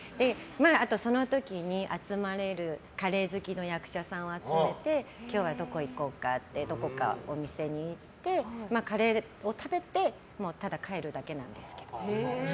その時に集まれるカレー好きの役者さんを集めて今日はどこ行こうかってどこかお店に行ってカレーを食べてただ帰るだけなんですけど。